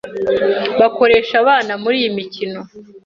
bakorehsa abana muri iyi mikino